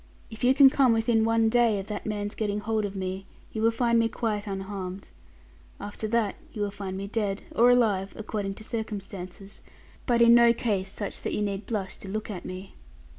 If you can come within one day of that man's getting hold of me, you will find me quite unharmed. After that you will find me dead, or alive, according to circumstances, but in no case such that you need blush to look at me.'